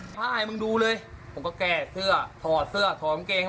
เพราะไม่ได้ซุกที่ไหน